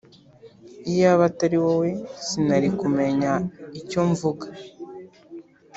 iyaba atari wowe sinari kumenya icyo mvuga